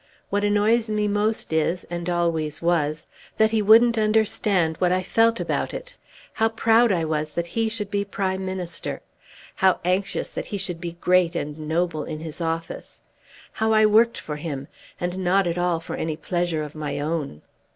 What annoys me most is, and always was, that he wouldn't understand what I felt about it; how proud I was that he should be Prime Minister, how anxious that he should be great and noble in his office; how I worked for him, and not at all for any pleasure of my own."